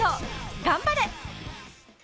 頑張れ！